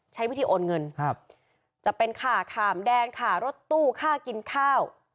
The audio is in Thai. ใช้วิธีโอนเงินจะเป็นค่าขามแดนค่ารถตู้ค่ากินข้าว